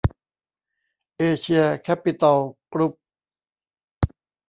เอเชีย แคปปิตอล กรุ๊ป